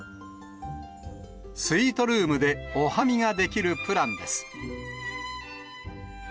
スイートルームでお花見ができるプランです。